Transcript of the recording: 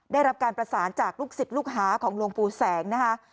ได้รับการประสานจากลูกศิษย์ลูกหาของหลวงปู่แสงนะคะ